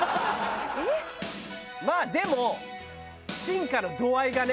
まあでも進化の度合いがね。